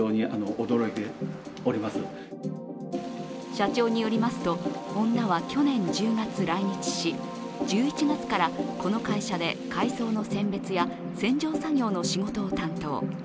社長によりますと女は去年１０月来日し１１月からこの会社で海藻の選別や洗浄作業の仕事を担当。